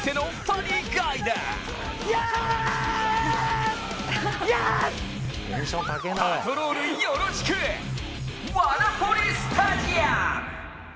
パトロールよろしくワダポリスタジアム！